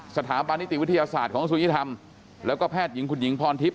สถาบันนิติวิทยาศาสตร์ของสุริธรรมแล้วก็แพทย์หญิงคุณหญิงพรทิพย